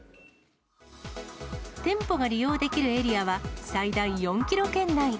店舗が利用できるエリアは、最大４キロ圏内。